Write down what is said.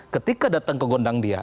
ketika datang ke gondang dia